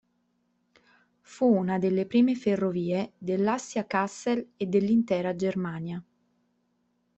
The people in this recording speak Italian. Fu una delle prime ferrovie dell'Assia-Kassel e dell'intera Germania.